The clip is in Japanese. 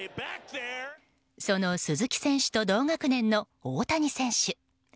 その鈴木選手と同学年の大谷選手。